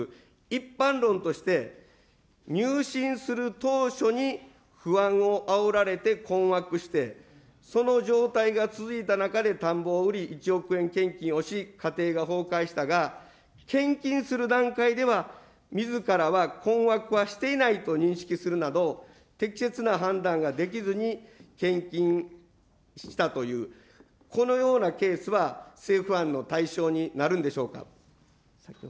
一般論として、入信する当初に不安をあおられて困惑して、その状態が続いた中で田んぼを売り、１億円献金をし、家庭が崩壊したが、献金する段階では、みずからは困惑はしていないと認識するなど、適切な判断ができずに献金したという、このようなケースは、せいふあんのたいしょうになるんでしょうか。